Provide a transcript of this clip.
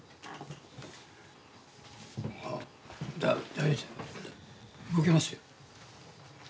大丈夫動けますよ。